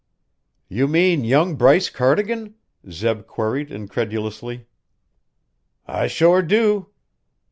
"You mean young Bryce Cardigan?" Zeb queried incredulously. "I shore do."